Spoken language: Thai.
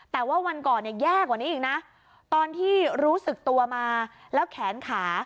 แต่ว่าวันก่อนเนี่ยแย่กว่านี้อีกนะตอนที่รู้สึกตัวมาแล้วแขนขา